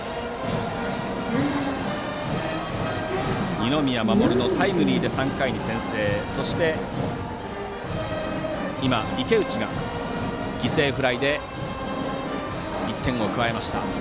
二宮士のタイムリーで３回に先制そして今、池内が犠牲フライで１点を加えました。